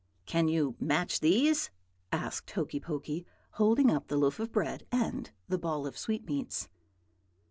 "'Can you match these?' asked Hokey Pokey, holding up the loaf of bread and the ball of sweetmeats.